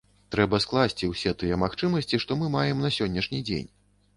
Трэба скласці ўсе тыя магчымасці, што мы маем на сённяшні дзень.